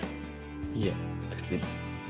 いえ別に。